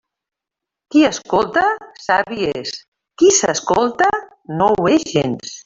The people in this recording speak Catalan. Qui escolta, savi és; qui s'escolta, no ho és gens.